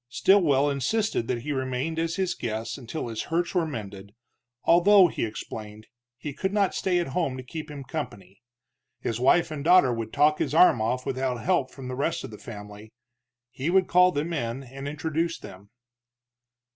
Stilwell insisted that he remain as his guest until his hurts were mended, although, he explained, he could not stay at home to keep him company. His wife and daughter would talk his arm off without help from the rest of the family. He would call them in and introduce them.